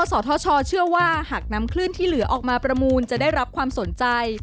สทชเชื่อว่าหากนำคลื่นที่เหลือออกมาประมูลจะได้รับความสนใจ